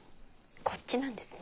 こっちなんですね。